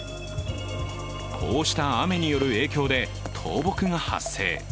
こうした雨による影響で倒木が発生。